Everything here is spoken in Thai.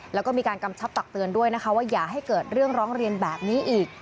แล้วก็มีการกำชับตักเตือนด้วยนะคะว่าอย่าให้เกิดเรื่องร้องเรียนแบบนี้อีก